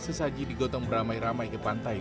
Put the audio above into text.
sesaji digotong beramai ramai ke pantai